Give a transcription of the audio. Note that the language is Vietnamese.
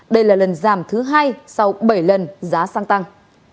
đây là lần giảm thứ hai sau bảy lần giá xăng tăng